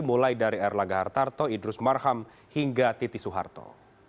mulai dari erlangga hartarto idrus marham hingga titi soeharto